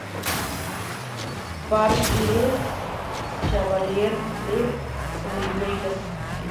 Par le Chevalier d’Oliveyra.